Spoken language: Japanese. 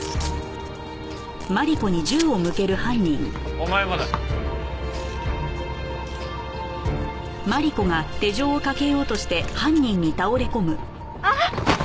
お前もだ。あっ！